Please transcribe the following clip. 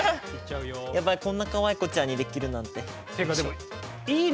こんなかわい子ちゃんにできるなんて。